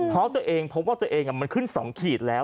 เพราะตัวเองมันขึ้นสองขีดแล้ว